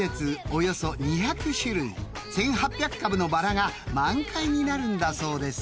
およそ２００種類１，８００株のバラが満開になるんだそうです］